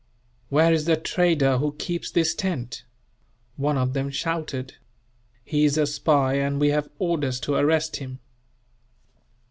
"Where is the trader who keeps this tent?" one of them shouted. "He is a spy, and we have orders to arrest him."